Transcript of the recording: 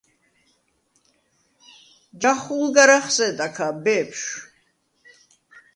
ჯახუ̄ლ გარ ახსედა ქა, ბეფშვ.